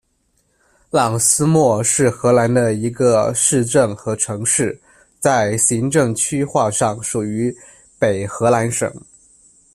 朗斯莫是荷兰的一个市镇和城市，在行政区划上属于北荷兰省。